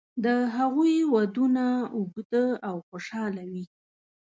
د هغوی ودونه اوږده او خوشاله وي.